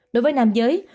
đối với nam giới